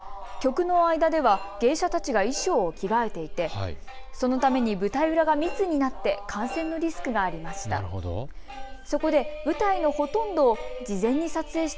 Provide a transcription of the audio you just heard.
実はこれまで曲の間では芸者たちが衣装を着替えていてそのために舞台裏が密になって感染のリスクがありました。